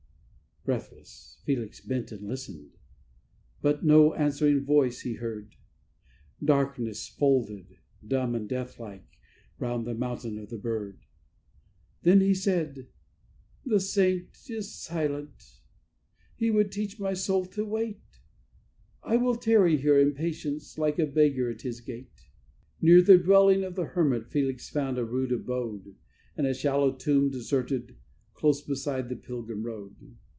Breathless, Felix bent and listened, but no answering voice he heard; Darkness folded, dumb and deathlike, round the Mountain of the Bird. Then he said, "The saint is silent; he would teach my soul to wait: I will tarry here in patience, like a beggar at his gate." Near the dwelling of the hermit Felix found a rude abode, In a shallow tomb deserted, close beside the pilgrim road.